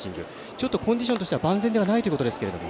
ちょっとコンディションとしては万全ではないということですけれども。